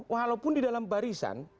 walaupun di dalam barisan